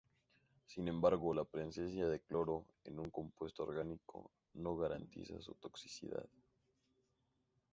Sin embargo, la presencia de cloro en un compuesto orgánico no garantiza su toxicidad.